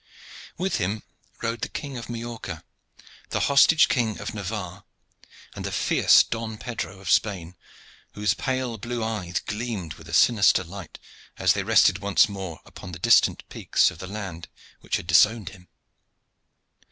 With him rode the King of Majorca, the hostage King of Navarre, and the fierce Don Pedro of Spain, whose pale blue eyes gleamed with a sinister light as they rested once more upon the distant peaks of the land which had disowned him.